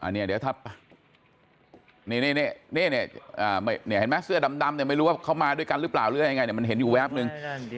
นี่เห็นไหมเสื้อดำไม่รู้เขามาด้วยกันหรือเปล่าหรือไงมันเห็นอยู่แวบนึง